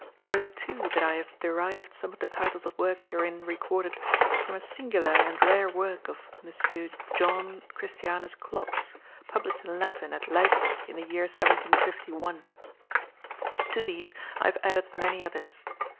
Know, too, that I have derived some of the titles of works herein recorded from a singular and rare work of M. John Christianus Klotz, published in Latin at Leipsic, in the year 1751. To these I have added many others.